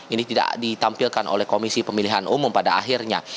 ini tidak ditampilkan oleh komisi pemilihan umum pada akhirnya